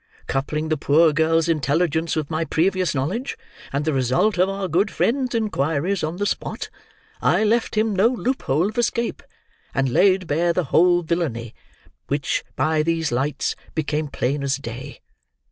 Coupling the poor girl's intelligence with my previous knowledge, and the result of our good friend's inquiries on the spot, I left him no loophole of escape, and laid bare the whole villainy which by these lights became plain as day.